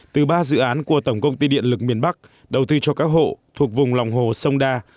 từ ba dự án của tổng công ty điện lực miền bắc đầu tư cho các hộ thuộc vùng lòng hồ sông đa